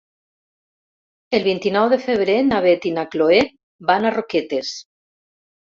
El vint-i-nou de febrer na Beth i na Chloé van a Roquetes.